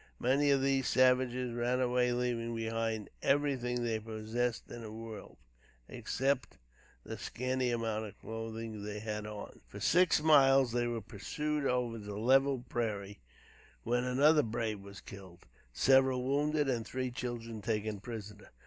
Many of these savages ran away leaving behind them everything they possessed in the world, except the scanty amount of clothing they had on. For six miles they were pursued over the level prairies when another brave was killed, several wounded and three children taken prisoners.